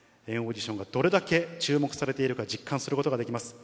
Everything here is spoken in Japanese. ＆ＡＵＤＩＴＩＯＮがどれだけ注目されているか実感することができます。